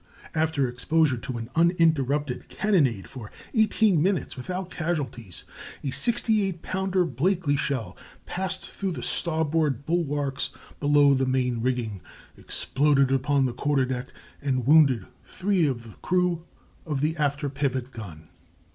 After exposure to an uninterrupted cannonade for eighteen minutes without casualties, a sixty eight pounder Blakely shell passed through the starboard bulwarks below the main rigging, exploded upon the quarterdeck, and wounded three of the crew of the after pivot gun.